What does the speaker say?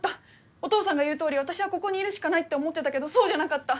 お父さんが言うとおり私はここにいるしかないって思ってたけどそうじゃなかった。